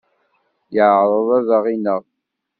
Yeɛreḍ ad aɣ-ineɣ.